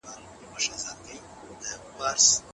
هغه وویل چې مېوه خوړل د ژوند عمر اوږدوي.